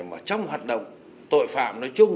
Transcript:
mà trong hoạt động tội phạm nói chung